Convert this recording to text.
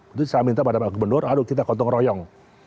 itu saya minta pak gubernur aduh kita gantung royong